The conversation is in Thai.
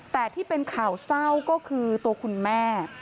แต่ที่เป็นข่าวเศร้าก็คือตัวคุณแม่